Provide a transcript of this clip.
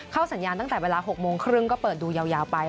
สัญญาณตั้งแต่เวลา๖โมงครึ่งก็เปิดดูยาวไป